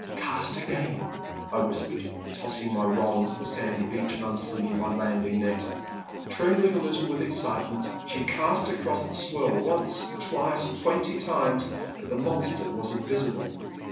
'*Cast again," I whispered, tossing my rod onto the sandy beach and unslinging my landing net. Trembling a little with excitement she cast across the swirl, once, twice, twenty times, but the monster was invisible.